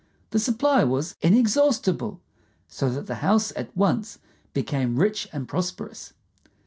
The supply was inexhaustible, so that the house at once became rich and prosperous.